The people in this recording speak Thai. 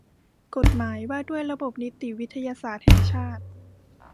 กฎหมายว่าด้วยระบบนิติวิทยาศาสตร์แห่งชาติ